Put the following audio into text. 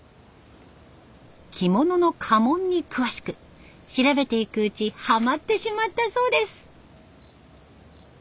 着物の家紋に詳しく調べていくうちハマってしまったそうです。